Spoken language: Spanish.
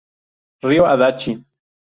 Ryo Adachi